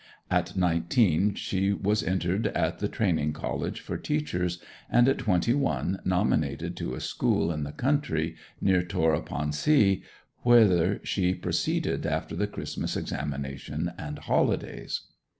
At nineteen she was entered at the Training College for Teachers, and at twenty one nominated to a school in the country, near Tor upon Sea, whither she proceeded after the Christmas examination and holidays.